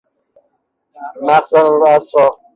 مخزن الاسرار